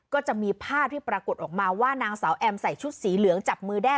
ก็จะมีภาพที่ปรากฏออกมาว่านางสาวแอมใส่ชุดสีเหลืองจับมือแด้